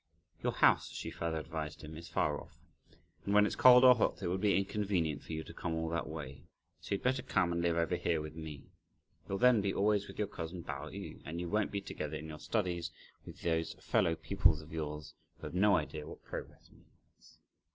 "Your house," she further advised him, "is far off, and when it's cold or hot, it would be inconvenient for you to come all that way, so you had better come and live over here with me. You'll then be always with your cousin Pao yü, and you won't be together, in your studies, with those fellow pupils of yours who have no idea what progress means."